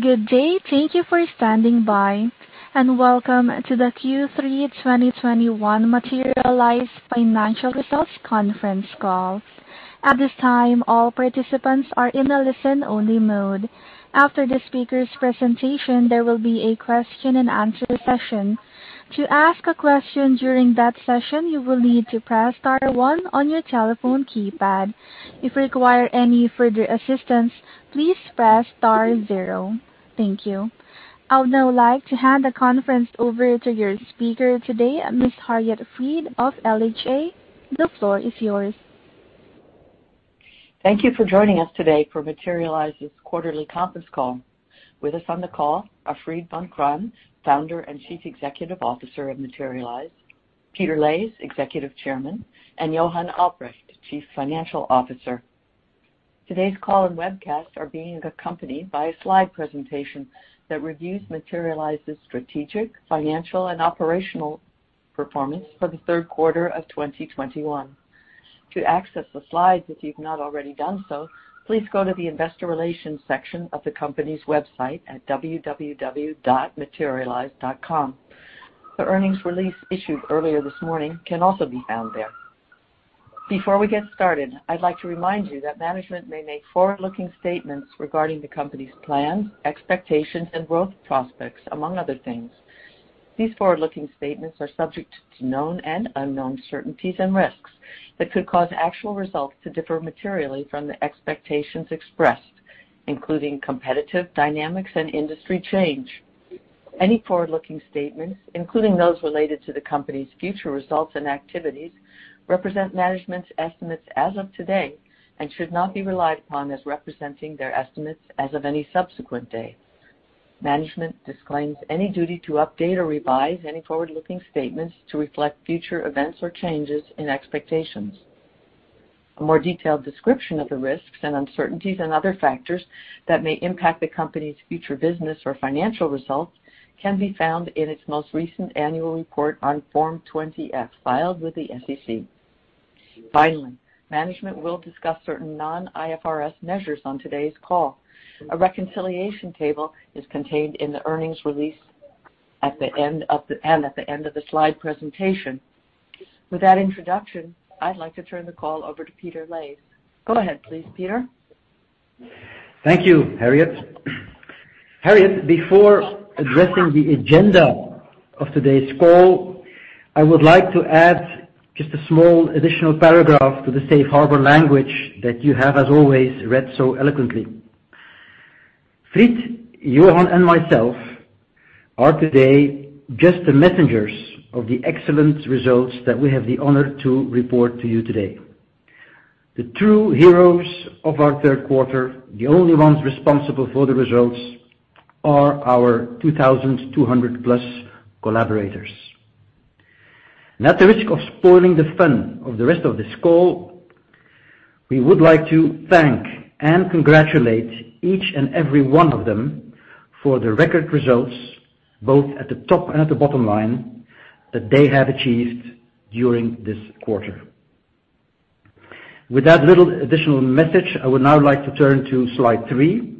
Good day. Thank you for standing by, and welcome to the Q3 2021 Materialise Financial Results Conference Call. At this time, all participants are in a listen-only mode. After the speaker's presentation, there will be a question-and-answer session. To ask a question during that session, you will need to press star one on your telephone keypad. If you require any further assistance, please press star zero. Thank you. I would now like to hand the conference over to your speaker today, Ms. Harriet Fried of LHA. The floor is yours. Thank you for joining us today for Materialise's quarterly conference call. With us on the call are Fried Vancraen, Founder and Chief Executive Officer of Materialise, Peter Leys, Executive Chairman, and Johan Albrecht, Chief Financial Officer. Today's call and webcast are being accompanied by a slide presentation that reviews Materialise's strategic, financial, and operational performance for the third quarter of 2021. To access the slides, if you've not already done so, please go to the investor relations section of the company's website at www.materialise.com. The earnings release issued earlier this morning can also be found there. Before we get started, I'd like to remind you that management may make forward-looking statements regarding the company's plans, expectations, and growth prospects, among other things. These forward-looking statements are subject to known and unknown uncertainties and risks that could cause actual results to differ materially from the expectations expressed, including competitive dynamics and industry change. Any forward-looking statements, including those related to the company's future results and activities, represent management's estimates as of today and should not be relied upon as representing their estimates as of any subsequent day. Management disclaims any duty to update or revise any forward-looking statements to reflect future events or changes in expectations. A more detailed description of the risks and uncertainties and other factors that may impact the company's future business or financial results can be found in its most recent annual report on Form 20-F, filed with the SEC. Finally, management will discuss certain non-IFRS measures on today's call. A reconciliation table is contained in the earnings release and at the end of the slide presentation. With that introduction, I'd like to turn the call over to Peter Leys. Go ahead, please, Peter. Thank you, Harriet. Harriet, before addressing the agenda of today's call, I would like to add just a small additional paragraph to the safe harbor language that you have, as always, read so eloquently. Fried, Johan, and myself are today just the messengers of the excellent results that we have the honor to report to you today. The true heroes of our third quarter, the only ones responsible for the results are our 2,200+ collaborators. Without the risk of spoiling the fun of the rest of this call, we would like to thank and congratulate each and every one of them for the record results, both at the top and at the bottom line, that they have achieved during this quarter. With that little additional message, I would now like to turn to slide three,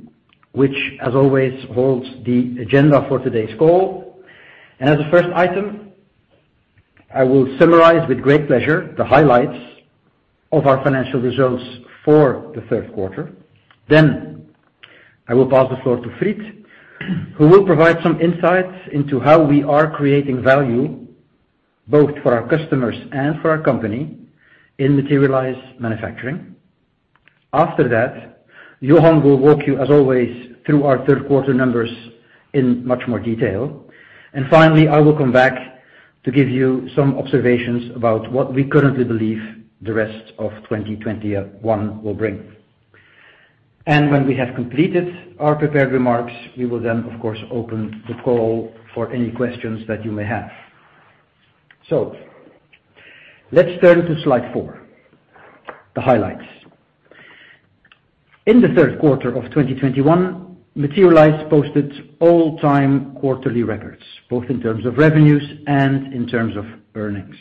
which, as always, holds the agenda for today's call. As a first item, I will summarize with great pleasure the highlights of our financial results for the third quarter. Then I will pass the floor to Fried, who will provide some insights into how we are creating value both for our customers and for our company in Materialise Manufacturing. After that, Johan will walk you, as always, through our third quarter numbers in much more detail. Finally, I will come back to give you some observations about what we currently believe the rest of 2021 will bring. When we have completed our prepared remarks, we will then, of course, open the call for any questions that you may have. Let's turn to slide four, the highlights. In the third quarter of 2021, Materialise posted all-time quarterly records, both in terms of revenues and in terms of earnings.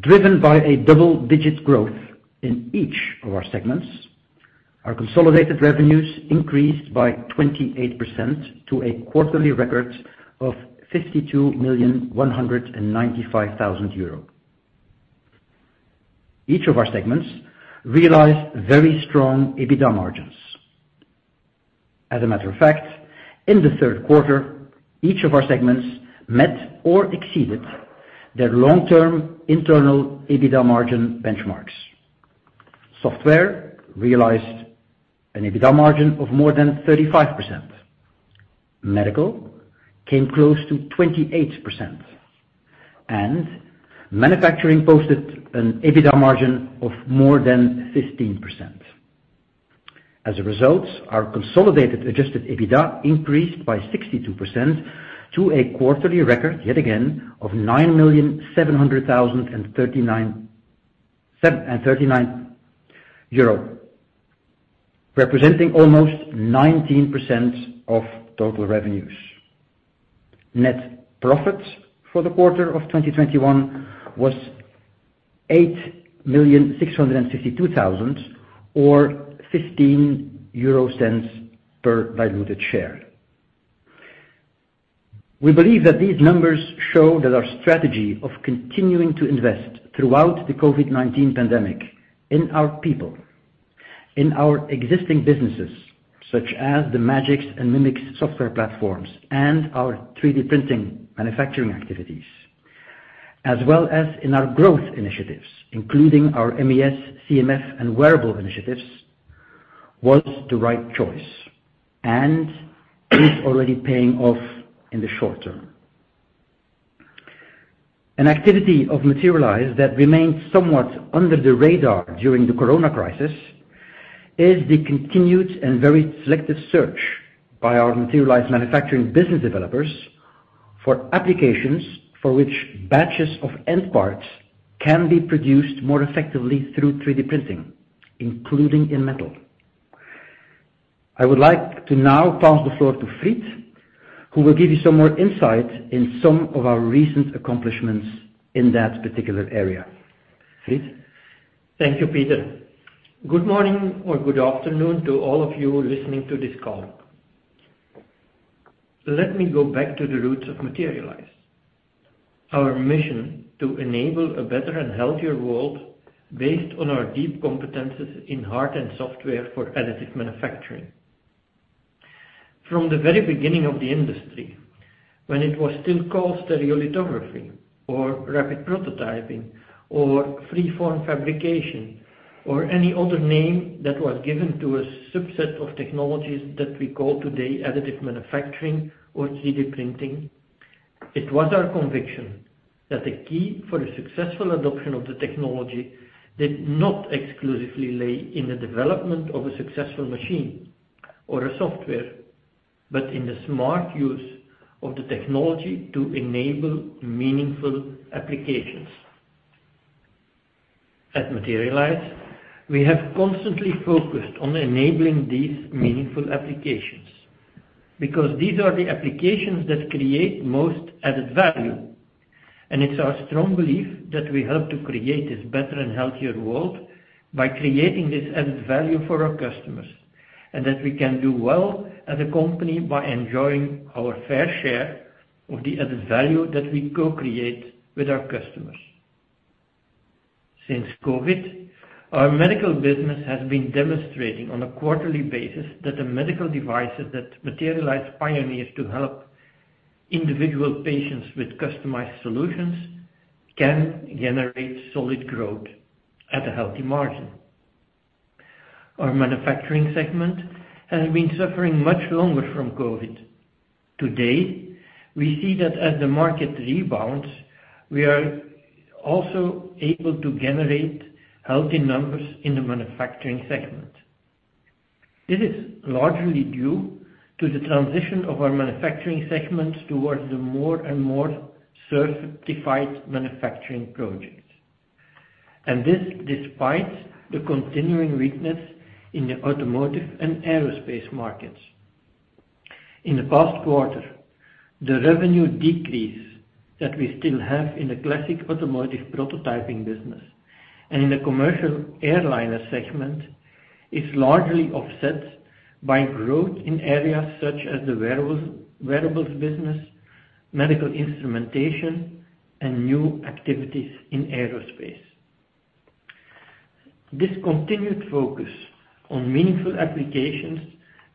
Driven by double-digit growth in each of our segments, our consolidated revenues increased by 28% to a quarterly record of 52.195 million euros. Each of our segments realized very strong EBITDA margins. As a matter of fact, in the third quarter, each of our segments met or exceeded their long-term internal EBITDA margin benchmarks. Software realized an EBITDA margin of more than 35%. Medical came close to 28%, and Manufacturing posted an EBITDA margin of more than 15%. As a result, our consolidated adjusted EBITDA increased by 62% to a quarterly record, yet again, of 9.700 million euro, representing almost 19% of total revenues. Net profit for the quarter of 2021 was 8.662 million or 0.15 per diluted share. We believe that these numbers show that our strategy of continuing to invest throughout the COVID-19 pandemic in our people, in our existing businesses, such as the Magics and Mimics software platforms and our 3D printing manufacturing activities, as well as in our growth initiatives, including our MES, CMS, and wearable initiatives, was the right choice and is already paying off in the short term. An activity of Materialise that remained somewhat under the radar during the corona crisis is the continued and very selective search by our Materialise Manufacturing business developers for applications for which batches of end parts can be produced more effectively through 3D printing, including in metal. I would like to now pass the floor to Fried, who will give you some more insight in some of our recent accomplishments in that particular area. Fried. Thank you, Peter. Good morning or good afternoon to all of you listening to this call. Let me go back to the roots of Materialise. Our mission, to enable a better and healthier world based on our deep competencies in hardware and software for additive manufacturing. From the very beginning of the industry, when it was still called stereolithography or rapid prototyping or freeform fabrication or any other name that was given to a subset of technologies that we call today additive manufacturing or 3D printing, it was our conviction that the key for the successful adoption of the technology did not exclusively lay in the development of a successful machine or a software, but in the smart use of the technology to enable meaningful applications. At Materialise, we have constantly focused on enabling these meaningful applications, because these are the applications that create most added value. It's our strong belief that we help to create this better and healthier world by creating this added value for our customers, and that we can do well as a company by enjoying our fair share of the added value that we co-create with our customers. Since COVID, our medical business has been demonstrating on a quarterly basis that the medical devices that Materialise pioneers to help individual patients with customized solutions can generate solid growth at a healthy margin. Our manufacturing segment has been suffering much longer from COVID. Today, we see that as the market rebounds, we are also able to generate healthy numbers in the manufacturing segment. This is largely due to the transition of our manufacturing segments towards the more and more certified manufacturing projects. This despite the continuing weakness in the automotive and aerospace markets. In the past quarter, the revenue decrease that we still have in the classic automotive prototyping business and in the commercial airliner segment is largely offset by growth in areas such as the wearables business, medical instrumentation, and new activities in aerospace. This continued focus on meaningful applications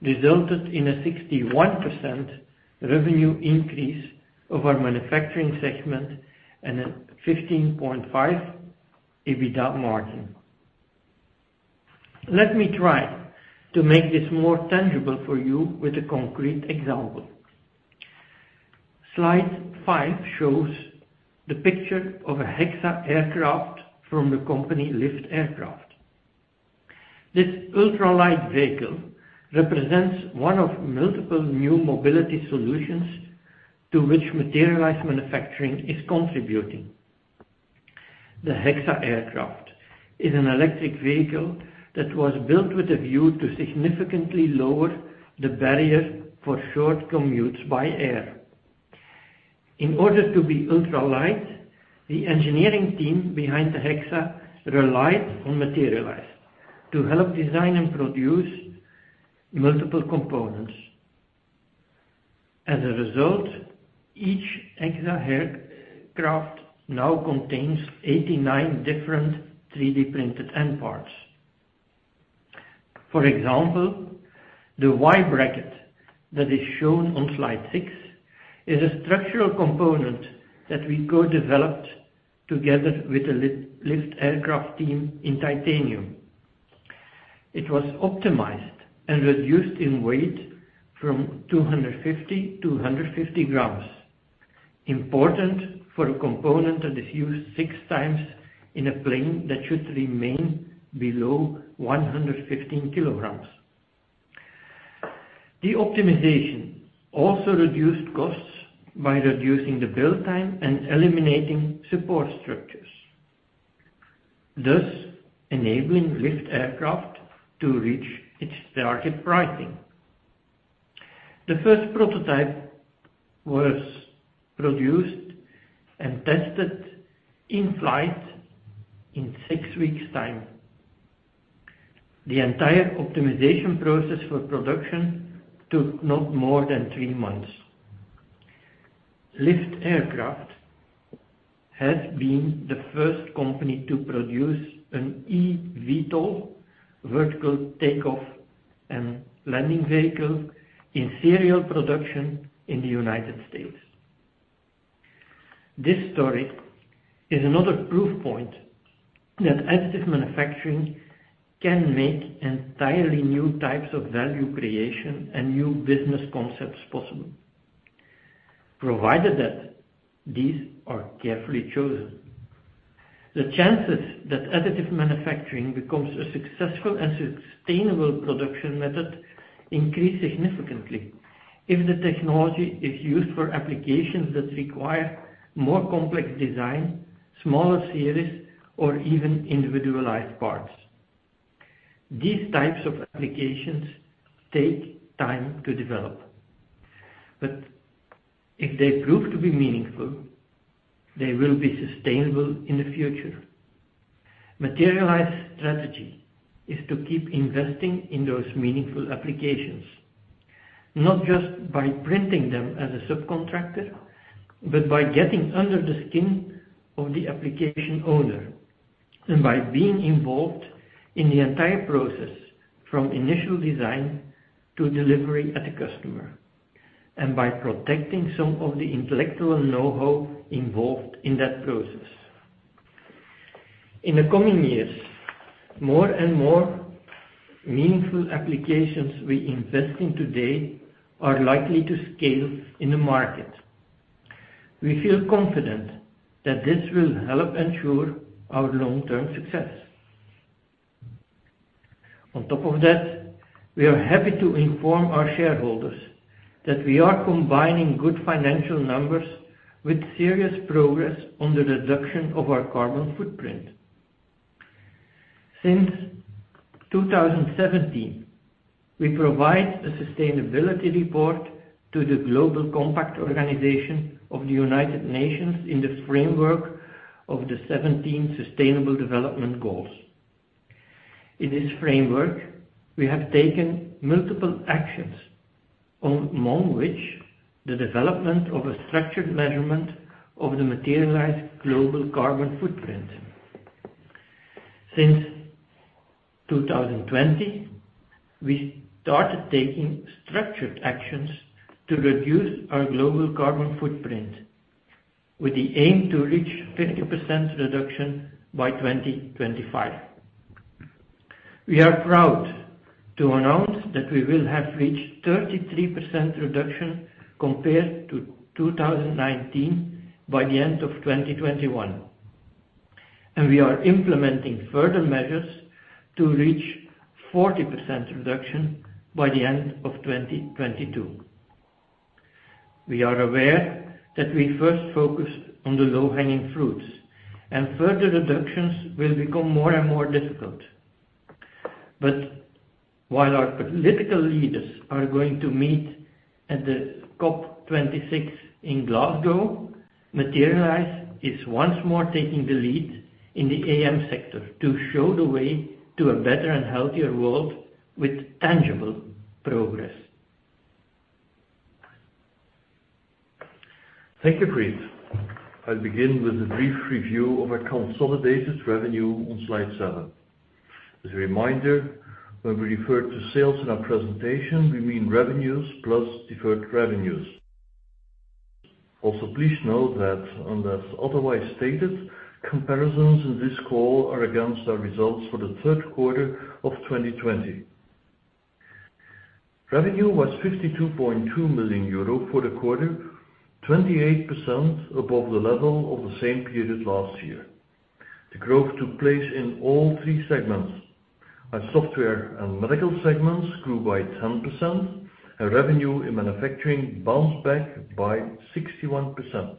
resulted in a 61% revenue increase of our Manufacturing segment and a 15.5% EBITDA margin. Let me try to make this more tangible for you with a concrete example. Slide five shows the picture of a HEXA aircraft from the company LIFT Aircraft. This ultralight vehicle represents one of multiple new mobility solutions to which Materialise Manufacturing is contributing. The HEXA aircraft is an electric vehicle that was built with a view to significantly lower the barrier for short commutes by air. In order to be ultralight, the engineering team behind the HEXA relied on Materialise to help design and produce multiple components. As a result, each HEXA aircraft now contains 89 different 3D printed end-use parts. For example, the Y-bracket that is shown on slide six is a structural component that we co-developed together with the LIFT Aircraft team in titanium. It was optimized and reduced in weight from 250 g to 150 g. Important for a component that is used six times in a plane that should remain below 115 kg. The optimization also reduced costs by reducing the build time and eliminating support structures, thus enabling LIFT Aircraft to reach its target pricing. The first prototype was produced and tested in flight in six weeks' time. The entire optimization process for production took not more than three months. LIFT Aircraft has been the first company to produce an eVTOL vertical takeoff and landing vehicle in serial production in the United States. This story is another proof point that additive manufacturing can make entirely new types of value creation and new business concepts possible, provided that these are carefully chosen. The chances that additive manufacturing becomes a successful and sustainable production method increase significantly if the technology is used for applications that require more complex design, smaller series, or even individualized parts. These types of applications take time to develop. If they prove to be meaningful, they will be sustainable in the future. Materialise strategy is to keep investing in those meaningful applications, not just by printing them as a subcontractor, but by getting under the skin of the application owner. By being involved in the entire process from initial design to delivery at the customer, and by protecting some of the intellectual knowhow involved in that process. In the coming years, more and more meaningful applications we invest in today are likely to scale in the market. We feel confident that this will help ensure our long-term success. On top of that, we are happy to inform our shareholders that we are combining good financial numbers with serious progress on the reduction of our carbon footprint. Since 2017, we provide a sustainability report to the UN Global Compact in the framework of the 17 Sustainable Development Goals. In this framework, we have taken multiple actions, among which the development of a structured measurement of the Materialise global carbon footprint. Since 2020, we started taking structured actions to reduce our global carbon footprint with the aim to reach 50% reduction by 2025. We are proud to announce that we will have reached 33% reduction compared to 2019 by the end of 2021. We are implementing further measures to reach 40% reduction by the end of 2022. We are aware that we first focus on the low-hanging fruits, and further reductions will become more and more difficult. While our political leaders are going to meet at the COP26 in Glasgow, Materialise is once more taking the lead in the AM sector to show the way to a better and healthier world with tangible progress. Thank you, Fried. I'll begin with a brief review of our consolidated revenue on slide seven. As a reminder, when we refer to sales in our presentation, we mean revenues plus deferred revenues. Also, please note that unless otherwise stated, comparisons in this call are against our results for the third quarter of 2020. Revenue was 52.2 million euro for the quarter, 28% above the level of the same period last year. The growth took place in all three segments. Our Software and Medical segments grew by 10%, and revenue in Manufacturing bounced back by 61%.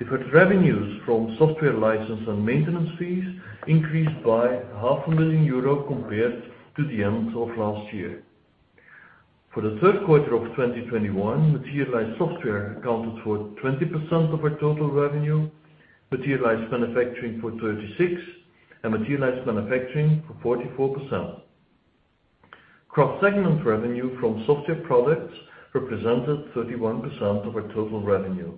Deferred revenues from software license and maintenance fees increased by half a million EUR compared to the end of last year. For the third quarter of 2021, Materialise Software accounted for 20% of our total revenue, Materialise Manufacturing for 36%, and Materialise Medical for 44%. Cross-segment revenue from software products represented 31% of our total revenue.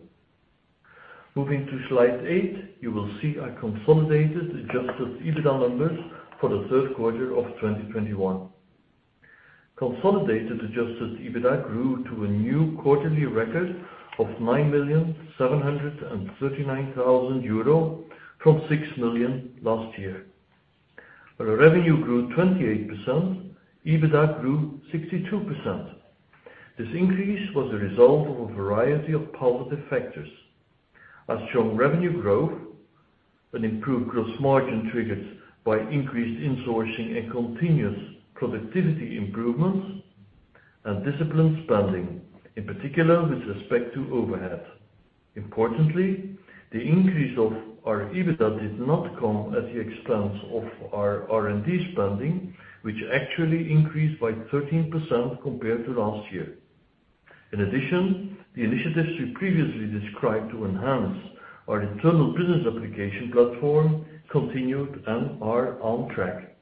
Moving to slide eight, you will see our consolidated adjusted EBITDA numbers for the third quarter of 2021. Consolidated adjusted EBITDA grew to a new quarterly record of 9,739,000 euro from 6 million last year. Where our revenue grew 28%, EBITDA grew 62%. This increase was a result of a variety of positive factors. As shown, revenue growth and improved gross margin triggered by increased insourcing and continuous productivity improvements. Disciplined spending, in particular, with respect to overhead. Importantly, the increase of our EBITDA did not come at the expense of our R&D spending, which actually increased by 13% compared to last year. In addition, the initiatives we previously described to enhance our internal business application platform continued and are on track.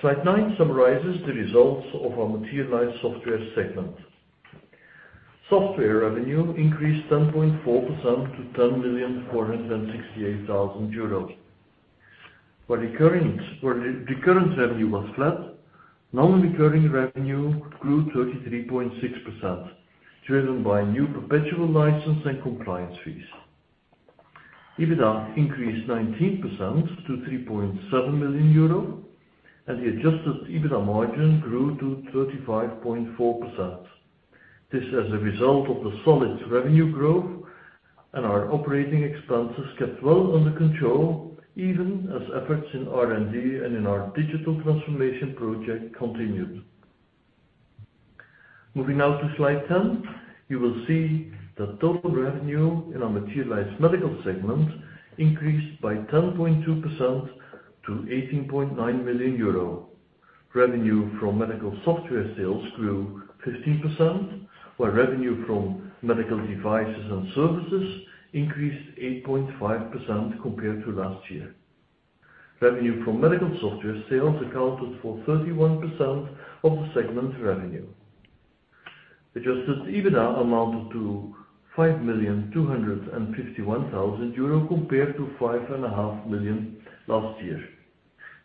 Slide nine summarizes the results of our Materialise Software segment. Software revenue increased 10.4% to EUR 10.468 million. While recurring revenue was flat, non-recurring revenue grew 33.6%, driven by new perpetual license and compliance fees. EBITDA increased 19% to 3.7 million euro, and the adjusted EBITDA margin grew to 35.4%. This, as a result of the solid revenue growth and our operating expenses kept well under control, even as efforts in R&D and in our digital transformation project continued. Moving now to slide 10, you will see that total revenue in our Materialise Medical segment increased by 10.2% to 18.9 million euro. Revenue from medical software sales grew 15%, while revenue from medical devices and services increased 8.5% compared to last year. Revenue from medical software sales accounted for 31% of the segment's revenue. Adjusted EBITDA amounted to 5.251 million euro compared to 5.5 million last year.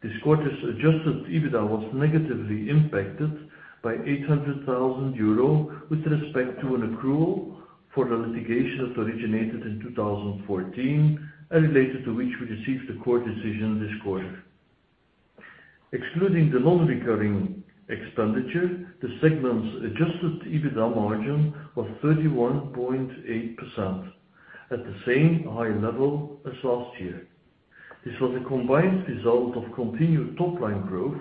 This quarter's adjusted EBITDA was negatively impacted by 800,000 euro with respect to an accrual for the litigation that originated in 2014 and related to which we received the court decision this quarter. Excluding the non-recurring expenditure, the segment's adjusted EBITDA margin was 31.8% at the same high level as last year. This was a combined result of continued top-line growth,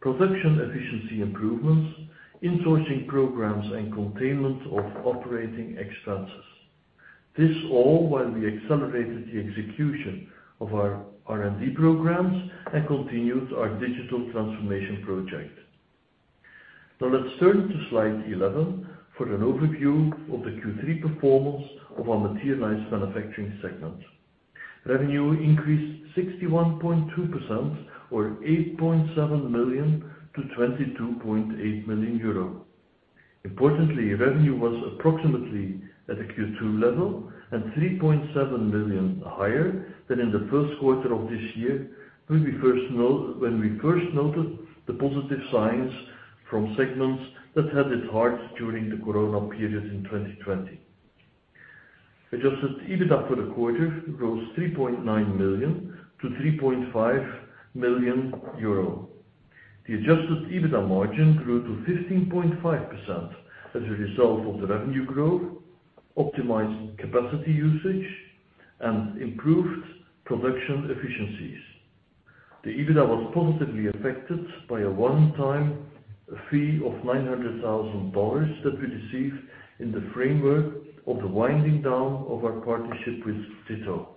production efficiency improvements, insourcing programs, and containment of operating expenses. This all while we accelerated the execution of our R&D programs and continued our digital transformation project. Now let's turn to slide 11 for an overview of the Q3 performance of our Materialise Manufacturing segment. Revenue increased 61.2% or 8.7 million-22.8 million euro. Importantly, revenue was approximately at a Q2 level and 3.7 million higher than in the first quarter of this year when we first noted the positive signs from segments that had it hard during the Corona period in 2020. Adjusted EBITDA for the quarter rose 3.9 million-3.5 million euro. The adjusted EBITDA margin grew to 15.5% as a result of the revenue growth, optimized capacity usage, and improved production efficiencies. The EBITDA was positively affected by a one-time fee of $900,000 that we received in the framework of the winding down of our partnership with Ditto.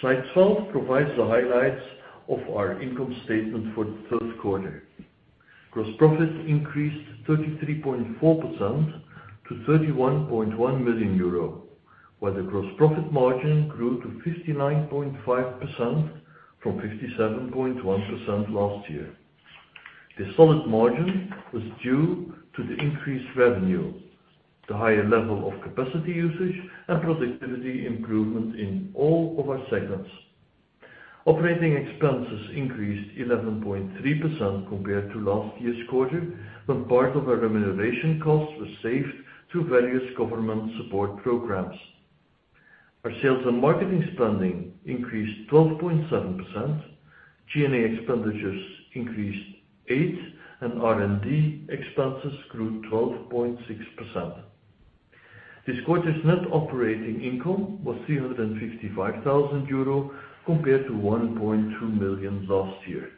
Slide 12 provides the highlights of our income statement for the third quarter. Gross profit increased 33.4% to 31.1 million euro, while the gross profit margin grew to 59.5% from 57.1% last year. This solid margin was due to the increased revenue, the higher level of capacity usage, and productivity improvement in all of our segments. Operating expenses increased 11.3% compared to last year's quarter, when part of our remuneration costs were saved through various government support programs. Our sales and marketing spending increased 12.7%, G&A expenditures increased 8%, and R&D expenses grew 12.6%. This quarter's net operating income was 355,000 euro compared to 1.2 million last year.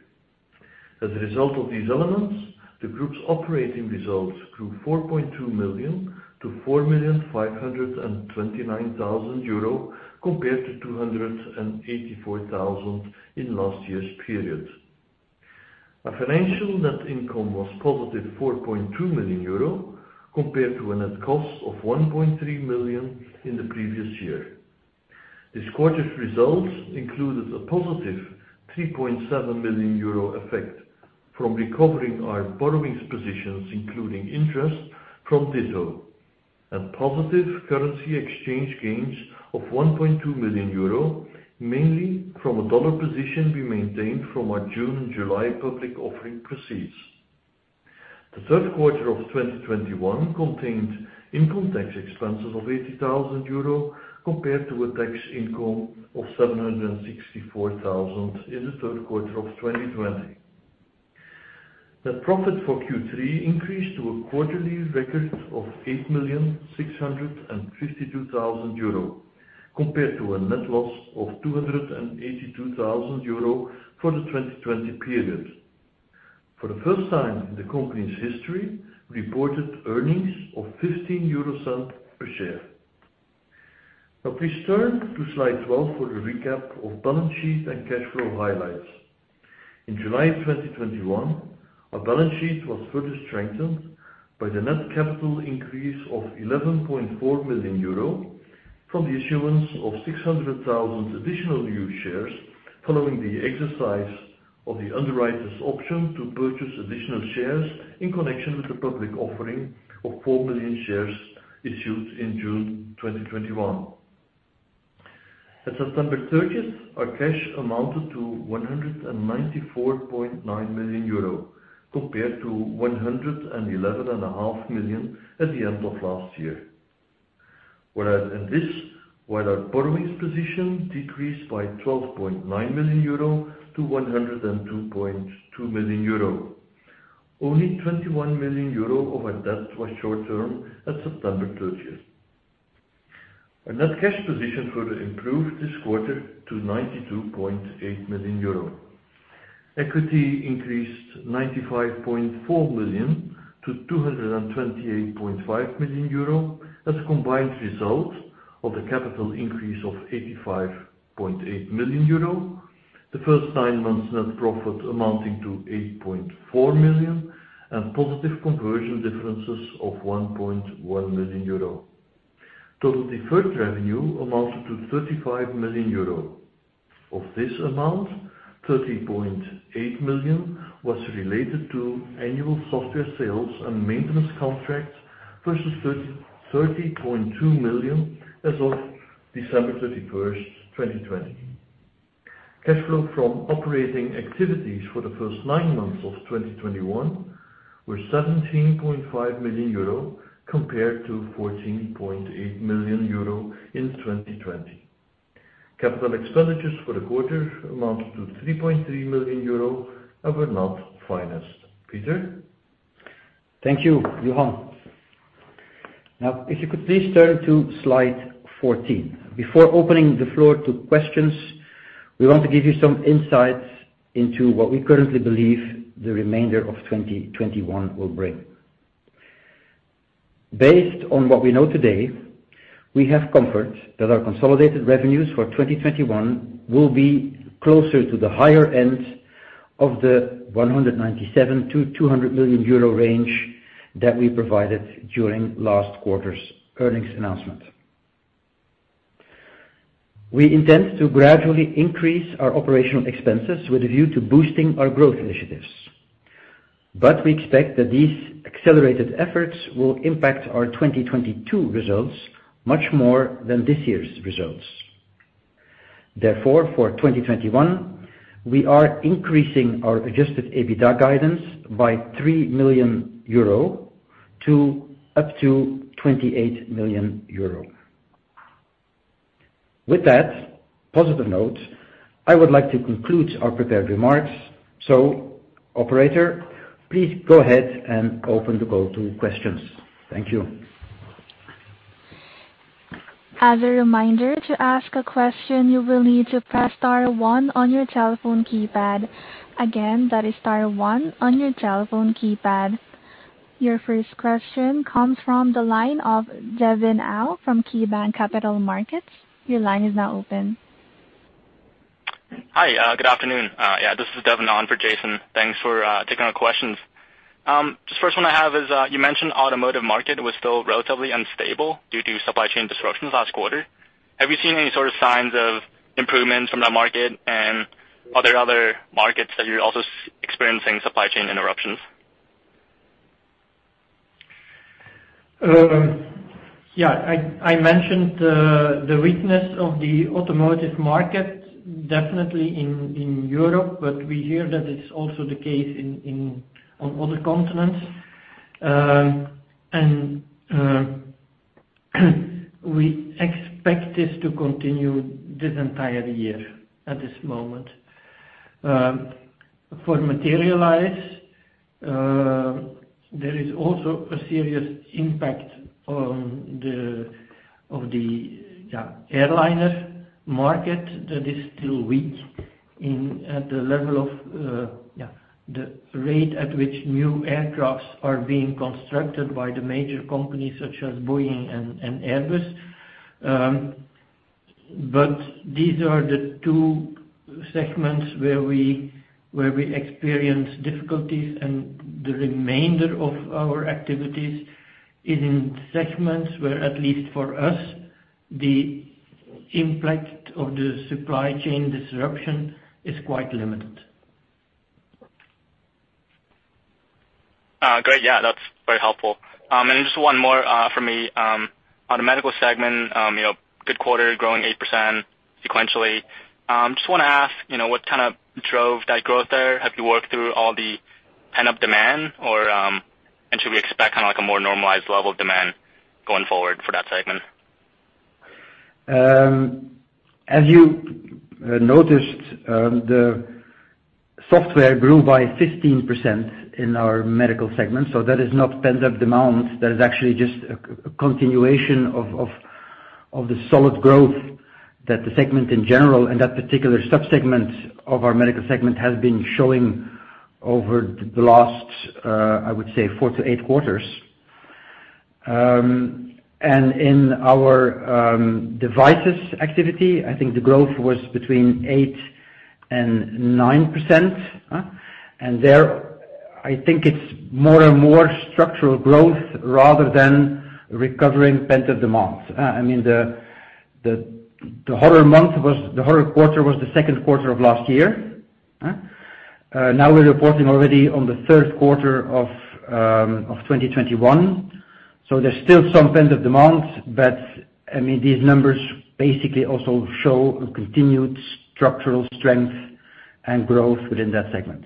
As a result of these elements, the group's operating results grew 4.2 million-4,529,000 euro compared to 284,000 in last year's period. Our financial net income was positive 4.2 million euro compared to a net cost of 1.3 million in the previous year. This quarter's results included a positive 3.7 million euro effect from recovering our borrowings positions, including interest from Ditto, and positive currency exchange gains of 1.2 million euro, mainly from a dollar position we maintained from our June and July public offering proceeds. The third quarter of 2021 contained income tax expenses of 80,000 euro compared to a tax income of 764,000 in the third quarter of 2020. Net profit for Q3 increased to a quarterly record of 8,652,000 euro. Compared to a net loss of 282,000 euro for the 2020 period. For the first time in the company's history, reported earnings of 0.15 euros per share. Now please turn to slide 12 for the recap of balance sheet and cash flow highlights. In July 2021, our balance sheet was further strengthened by the net capital increase of 11.4 million euro from the issuance of 600,000 additional new shares following the exercise of the underwriter's option to purchase additional shares in connection with the public offering of 4 million shares issued in June 2021. As of September 30, our cash amounted to 194.9 million euro compared to 111.5 million at the end of last year. Our borrowings position decreased by 12.9 million-102.2 million euro. Only 21 million euro of our debt was short-term at September 30th. Our net cash position further improved this quarter to 92.8 million euro. Equity increased 95.4 million to 228.5 million euro as a combined result of the capital increase of 85.8 million euro, the first nine months net profit amounting to 8.4 million, and positive conversion differences of 1.1 million euro. Total deferred revenue amounted to 35 million euro. Of this amount, 13.8 million was related to annual software sales and maintenance contracts versus 13.2 million as of December 31, 2020. Cash flow from operating activities for the first nine months of 2021 were 17.5 million euro compared to 14.8 million euro in 2020. Capital expenditures for the quarter amounted to 3.3 million euro and were not financed. Peter? Thank you, Johan. Now, if you could please turn to slide 14. Before opening the floor to questions, we want to give you some insights into what we currently believe the remainder of 2021 will bring. Based on what we know today, we have comfort that our consolidated revenues for 2021 will be closer to the higher end of the 197 million-200 million euro range that we provided during last quarter's earnings announcement. We intend to gradually increase our operational expenses with a view to boosting our growth initiatives. We expect that these accelerated efforts will impact our 2022 results much more than this year's results. Therefore, for 2021, we are increasing our adjusted EBITDA guidance by 3 million euro to up to 28 million euro. With that positive note, I would like to conclude our prepared remarks. Operator, please go ahead and open the call to questions. Thank you. As a reminder, to ask a question, you will need to press star one on your telephone keypad. Again, that is star one on your telephone keypad. Your first question comes from the line of Devon Ahl from KeyBanc Capital Markets. Your line is now open. Hi, good afternoon. This is Devon on for Jason. Thanks for taking our questions. Just first one I have is, you mentioned automotive market was still relatively unstable due to supply chain disruptions last quarter. Have you seen any sort of signs of improvement from that market? And are there other markets that you're also experiencing supply chain interruptions? I mentioned the weakness of the automotive market definitely in Europe, but we hear that it's also the case in on other continents. We expect this to continue this entire year at this moment. For Materialise, there is also a serious impact on the airliner market that is still weak at the level of the rate at which new aircraft are being constructed by the major companies such as Boeing and Airbus. These are the two segments where we experience difficulties, and the remainder of our activities is in segments where, at least for us, the impact of the supply chain disruption is quite limited. Great. Yeah, that's very helpful. Just one more for me. On the Medical segment, you know, good quarter, growing 8% sequentially. Just wanna ask, you know, what kind of drove that growth there? Have you worked through all the pent-up demand or, and should we expect kinda like a more normalized level of demand going forward for that segment? As you noticed, the software grew by 15% in our medical segment, so that is not pent-up demand. That is actually just a continuation of the solid growth that the segment in general and that particular sub-segment of our medical segment has been showing over the last, I would say four to eight quarters. In our devices activity, I think the growth was between 8%-9%, and there I think it's more and more structural growth rather than recovering pent-up demand. I mean, the harder quarter was the second quarter of last year, now we're reporting already on the third quarter of 2021, so there's still some pent-up demand. These numbers basically also show a continued structural strength and growth within that segment.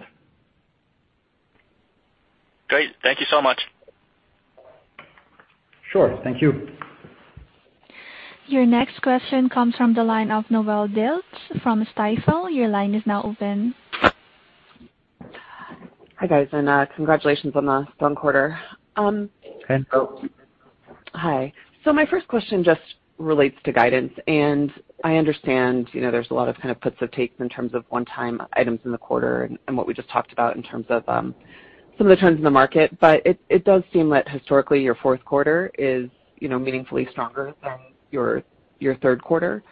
Great. Thank you so much. Sure. Thank you. Your next question comes from the line of Noelle Dilts from Stifel. Your line is now open. Hi, guys, and congratulations on the strong quarter. Thanks. Hi. My first question just relates to guidance, and I understand, you know, there's a lot of kind of puts and takes in terms of one-time items in the quarter and what we just talked about in terms of some of the trends in the market. It does seem that historically your fourth quarter is, you know, meaningfully stronger than your third quarter,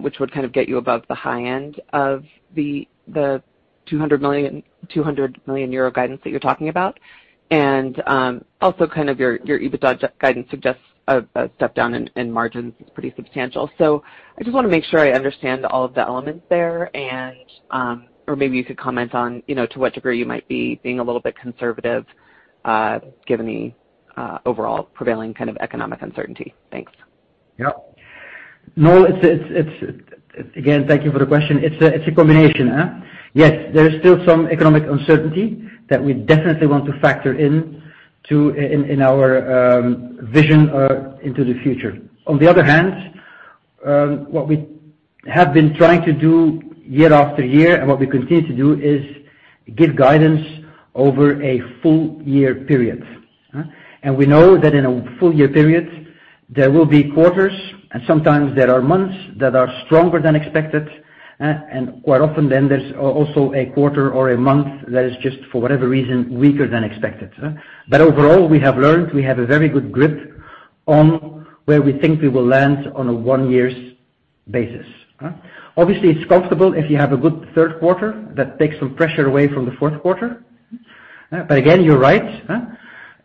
which would kind of get you above the high end of the 200 million euro guidance that you're talking about. Also kind of your EBITDA guidance suggests a step down in margins. It's pretty substantial. I just wanna make sure I understand all of the elements there and. Maybe you could comment on, you know, to what degree you might be being a little bit conservative, given the overall prevailing kind of economic uncertainty? Thanks. Yeah. No, it's. Again, thank you for the question. It's a combination. Yes, there is still some economic uncertainty that we definitely want to factor into our vision into the future. On the other hand, what we have been trying to do year after year, and what we continue to do is give guidance over a full year period, and we know that in a full year period, there will be quarters and sometimes there are months that are stronger than expected, and quite often then there's also a quarter or a month that is just, for whatever reason, weaker than expected. Overall, we have learned we have a very good grip on where we think we will land on a one year's basis. Obviously, it's comfortable if you have a good third quarter that takes some pressure away from the fourth quarter, but again, you're right,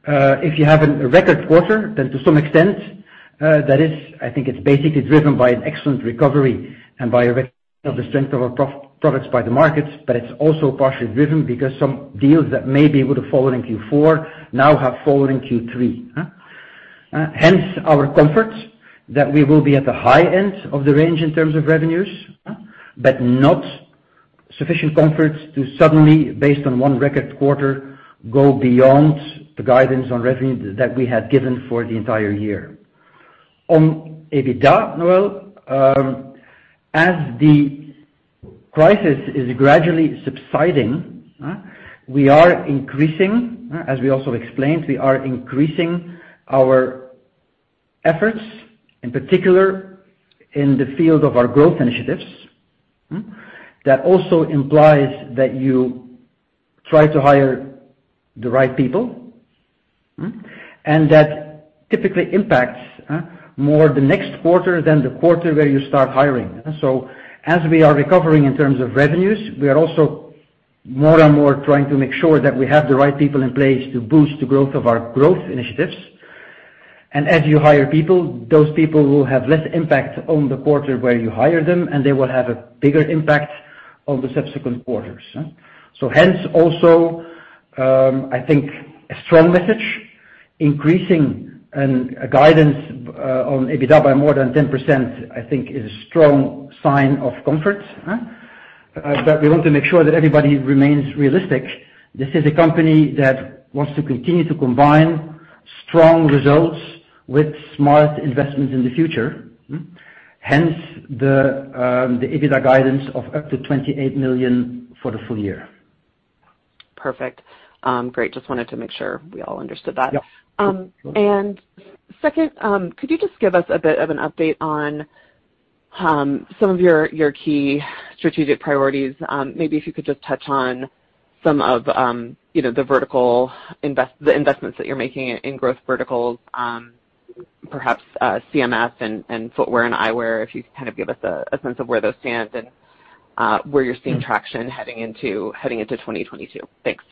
if you have a record quarter, then to some extent, that is. I think it's basically driven by an excellent recovery and by the strength of our products in the markets, but it's also partially driven because some deals that maybe would have fallen in Q4 now have fallen in Q3. Hence our comfort that we will be at the high end of the range in terms of revenues, but not sufficient comfort to suddenly, based on one record quarter, go beyond the guidance on revenue that we had given for the entire year. On EBITDA, Noelle, as the crisis is gradually subsiding, we are increasing, as we also explained, we are increasing our efforts, in particular in the field of our growth initiatives, that also implies that you try to hire the right people, and that typically impacts more the next quarter than the quarter where you start hiring. As we are recovering in terms of revenues, we are also more and more trying to make sure that we have the right people in place to boost the growth of our growth initiatives. As you hire people, those people will have less impact on the quarter where you hire them, and they will have a bigger impact on the subsequent quarters. Hence also, I think a strong message, increasing a guidance on EBITDA by more than 10%, I think is a strong sign of comfort, but we want to make sure that everybody remains realistic. This is a company that wants to continue to combine strong results with smart investments in the future, hence the EBITDA guidance of up to 28 million for the full year. Perfect. Great. Just wanted to make sure we all understood that. Yeah. Second, could you just give us a bit of an update on some of your key strategic priorities? Maybe if you could just touch on some of, you know, the investments that you're making in growth verticals, perhaps CMS and footwear and eyewear, if you could kind of give us a sense of where those stand and where you're seeing traction heading into 2022. Thanks.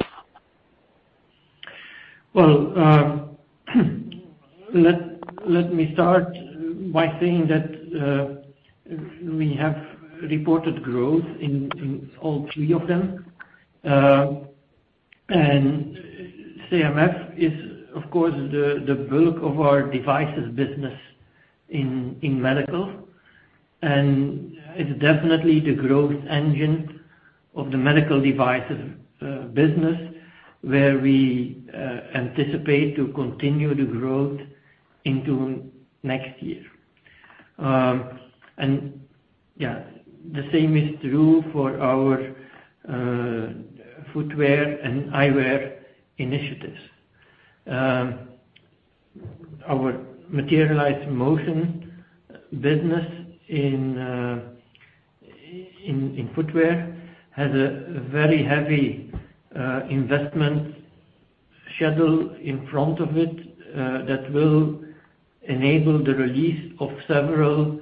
Well, let me start by saying that we have reported growth in all three of them. CMS is, of course, the bulk of our devices business in medical, and it's definitely the growth engine of the medical devices business, where we anticipate to continue the growth into next year. Yeah, the same is true for our footwear and eyewear initiatives. Our Materialise Motion business in footwear has a very heavy investment schedule in front of it that will enable the release of several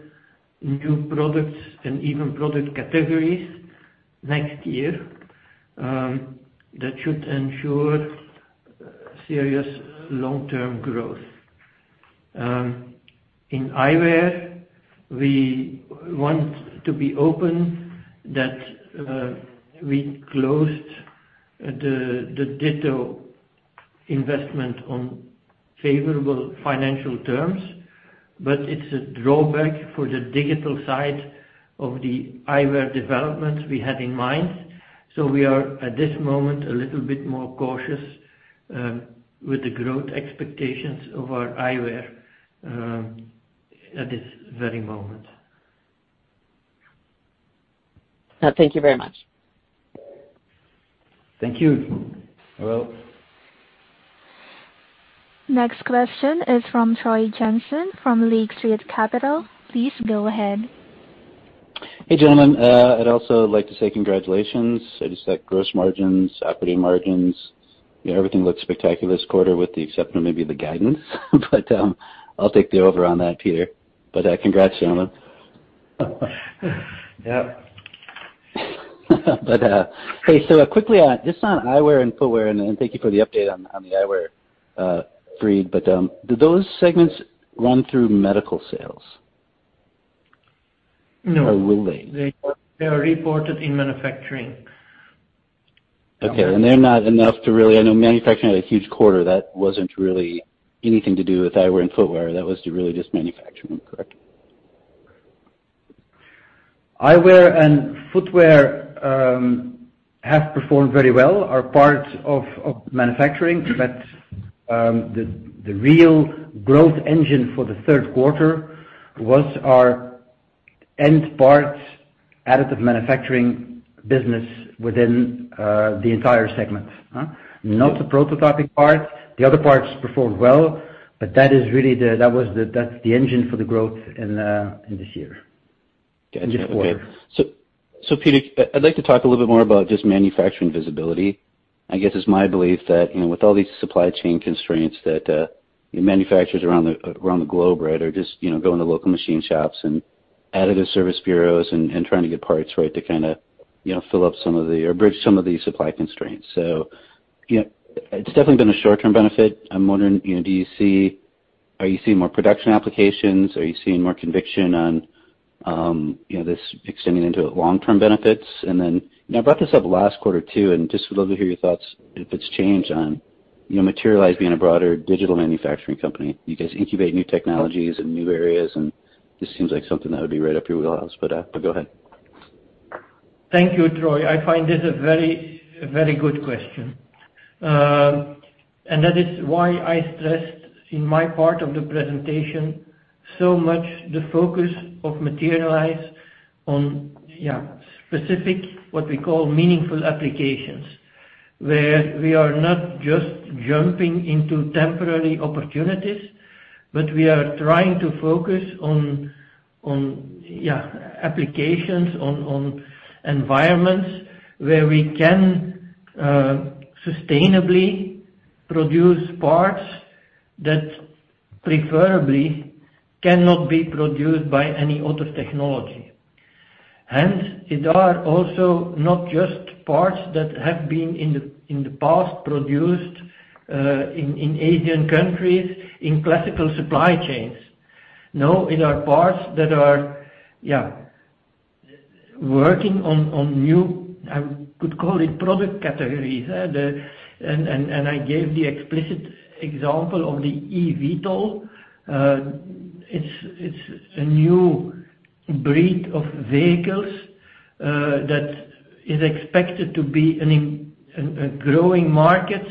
new products and even product categories next year that should ensure serious long-term growth. In eyewear, we want to be open that we closed the Ditto investment on favorable financial terms, but it's a drawback for the digital side of the eyewear development we had in mind. We are, at this moment, a little bit more cautious with the growth expectations of our eyewear at this very moment. Thank you very much. Thank you, Noelle. Next question is from Troy Jensen from Lake Street Capital Markets. Please go ahead. Hey, gentlemen. I'd also like to say congratulations. I just thought gross margins, operating margins, you know, everything looked spectacular this quarter with the exception of maybe the guidance. I'll take the over on that, Pieter. Congrats, gentlemen. Yep. Hey, so quickly, just on eyewear and footwear, and thank you for the update on the eyewear, Fried. Do those segments run through medical sales? No. Will they? They are reported in manufacturing. Okay. They're not enough to really, I know manufacturing had a huge quarter. That wasn't really anything to do with eyewear and footwear. That was really just manufacturing, correct? Eyewear and footwear have performed very well, are part of manufacturing, but the real growth engine for the third quarter was our end parts additive manufacturing business within the entire segment. Not the prototyping part. The other parts performed well, but that's the engine for the growth in this year. Gotcha. Okay. Pieter, I'd like to talk a little bit more about just manufacturing visibility. I guess it's my belief that, you know, with all these supply chain constraints that, you know, manufacturers around the globe, right, are just, you know, going to local machine shops and additive service bureaus and trying to get parts, right, to kind of, you know, fill up some of the, or bridge some of these supply constraints. You know, it's definitely been a short-term benefit. I'm wondering, you know, do you see? Are you seeing more production applications? Are you seeing more conviction on, you know, this extending into long-term benefits? I brought this up last quarter too, and just would love to hear your thoughts if it's changed on, you know, Materialise being a broader digital manufacturing company. You guys incubate new technologies in new areas, and this seems like something that would be right up your wheelhouse. Go ahead. Thank you, Troy. I find this a very good question. That is why I stressed in my part of the presentation so much the focus of Materialise on specific, what we call meaningful applications, where we are not just jumping into temporary opportunities, but we are trying to focus on applications, on environments where we can sustainably produce parts that preferably cannot be produced by any other technology. They are also not just parts that have been in the past produced in Asian countries, in classical supply chains. No, our parts that are working on new, I could call it product categories. I gave the explicit example of the eVTOL. It's a new breed of vehicles that is expected to be a growing market,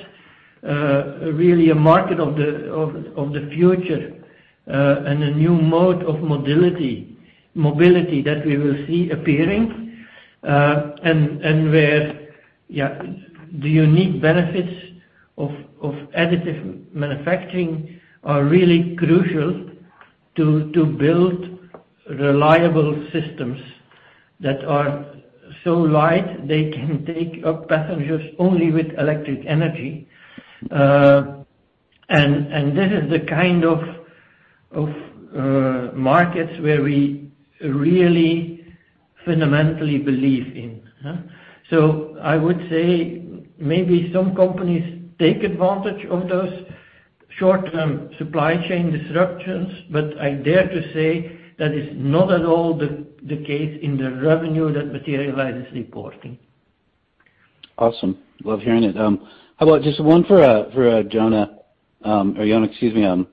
really a market of the future, and a new mode of mobility that we will see appearing, and where the unique benefits of additive manufacturing are really crucial to build reliable systems that are so light they can take up passengers only with electric energy. This is the kind of markets where we really fundamentally believe in. I would say maybe some companies take advantage of those short-term supply chain disruptions, but I dare to say that is not at all the case in the revenue that Materialise is reporting. Awesome. Love hearing it. How about just one for Johan or Jon, excuse me.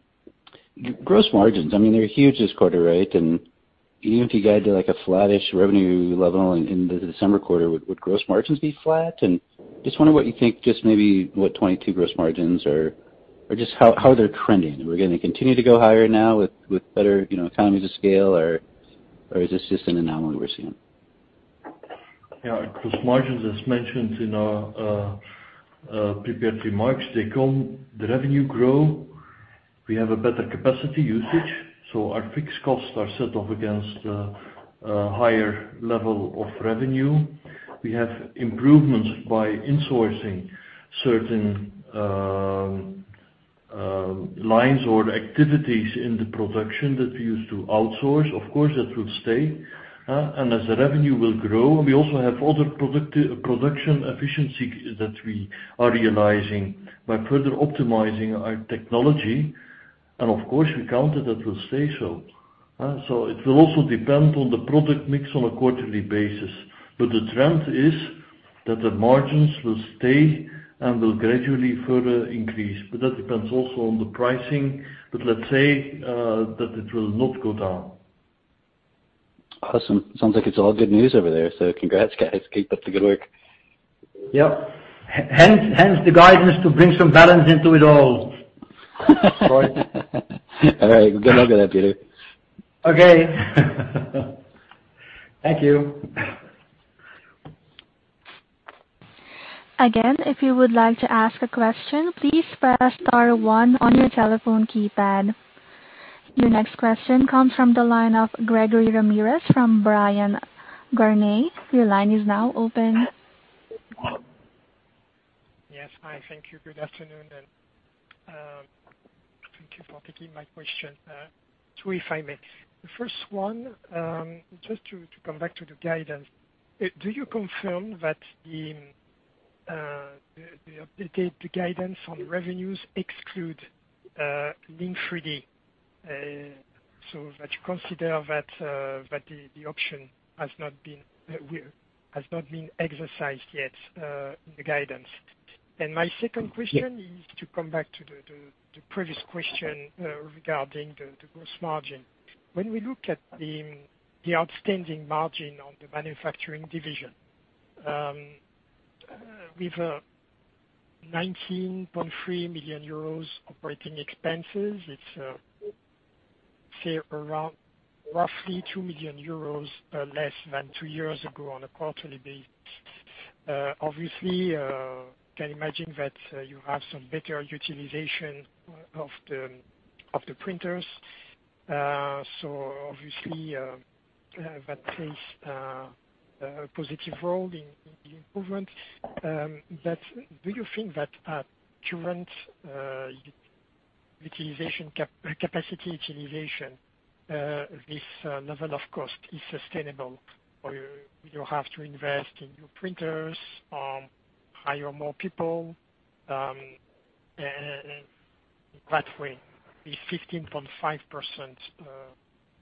Gross margins, I mean, they're huge this quarter, right? Even if you guide to, like, a flattish revenue level in the December quarter, would gross margins be flat? I just wonder what you think, just maybe what 2022 gross margins are. Just how they're trending. We're gonna continue to go higher now with better, you know, economies of scale or is this just an anomaly we're seeing? Yeah. Because margins, as mentioned in our prepared remarks, the revenue grow. We have a better capacity usage, so our fixed costs are set off against a higher level of revenue. We have improvements by insourcing certain lines or activities in the production that we used to outsource. Of course, that will stay. As the revenue will grow, we also have other production efficiency that we are realizing by further optimizing our technology. Of course, we count on it, that will stay so. It will also depend on the product mix on a quarterly basis. The trend is that the margins will stay and will gradually further increase. That depends also on the pricing. Let's say that it will not go down. Awesome. Sounds like it's all good news over there. Congrats, guys. Keep up the good work. Yep. Hence the guidance to bring some balance into it all. All right. Good luck with that, Pieter. Okay. Thank you. Again, if you would like to ask a question, please press star one on your telephone keypad. Your next question comes from the line of Gregory Ramirez from Bryan Garnier. Your line is now open. Yes. Hi. Thank you. Good afternoon, and thank you for taking my question. Two, if I may. The first one, just to come back to the guidance. Do you confirm that the updated guidance on revenues excludes Link3D? So that you consider that the option has not been exercised yet in the guidance. My second question is to come back to the previous question regarding the gross margin. When we look at the outstanding margin on the manufacturing division, with 19.3 million euros operating expenses, it's say around roughly 2 million euros less than two years ago on a quarterly basis. Obviously, can imagine that you have some better utilization of the printers. Obviously, that plays a positive role in improvement. Do you think that at current capacity utilization, this level of cost is sustainable, or you have to invest in new printers, hire more people, and gradually the 15.5%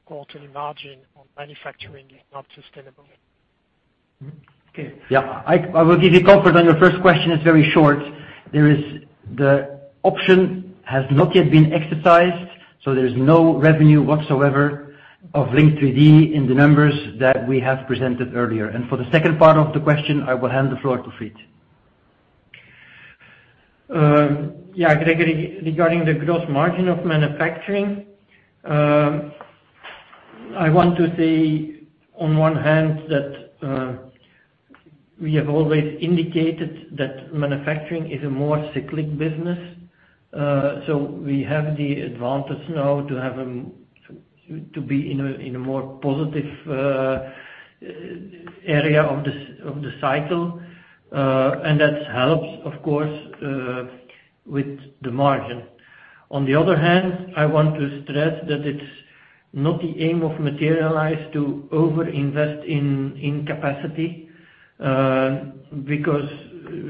quarterly margin on manufacturing is not sustainable? Okay. Yeah. I will give you comfort on your first question. It's very short. The option has not yet been exercised, so there's no revenue whatsoever of Link3D in the numbers that we have presented earlier. For the second part of the question, I will hand the floor to Fried. Yeah, Gregory, regarding the gross margin of manufacturing, I want to say on one hand that we have always indicated that manufacturing is a more cyclic business. We have the advantage now to be in a more positive area of the cycle. That helps of course with the margin. On the other hand, I want to stress that it's not the aim of Materialise to over-invest in capacity because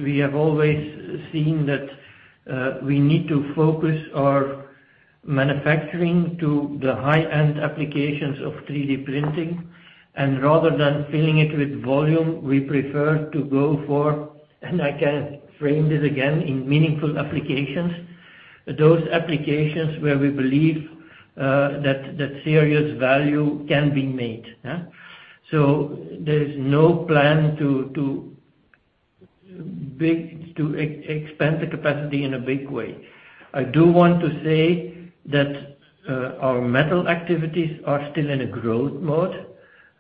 we have always seen that we need to focus our manufacturing to the high-end applications of 3D printing. Rather than filling it with volume, we prefer to go for, and I can frame this again in meaningful applications, those applications where we believe that serious value can be made. There is no plan to expand the capacity in a big way. I do want to say that our metal activities are still in a growth mode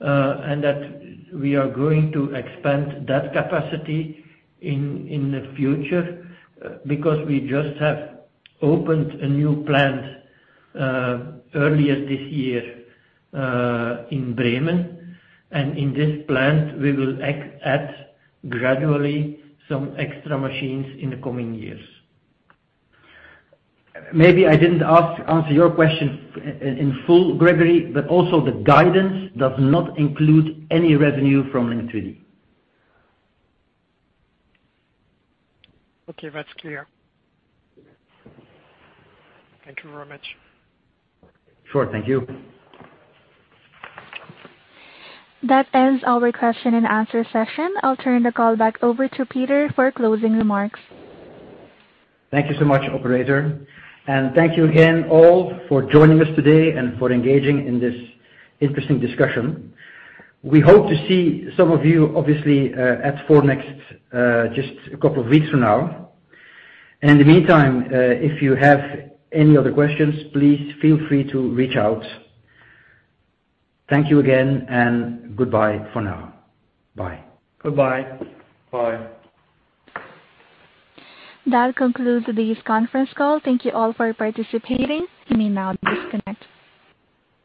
and that we are going to expand that capacity in the future because we just have opened a new plant earlier this year in Bremen. In this plant, we will add gradually some extra machines in the coming years. Maybe I didn't answer your question in full, Gregory, but also the guidance does not include any revenue from Link3D. Okay. That's clear. Thank you very much. Sure. Thank you. That ends our question and answer session. I'll turn the call back over to Pieter for closing remarks. Thank you so much, operator. Thank you again all for joining us today and for engaging in this interesting discussion. We hope to see some of you obviously at Formnext just a couple of weeks from now. In the meantime, if you have any other questions, please feel free to reach out. Thank you again, and goodbye for now. Bye. Goodbye. Bye. That concludes today's conference call. Thank you all for participating. You may now disconnect.